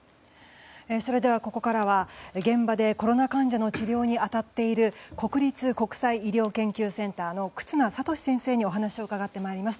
それでは、ここからは現場でコロナ患者の治療に当たっている国立国際医療研究センターの忽那賢志先生にお話を伺ってまいります。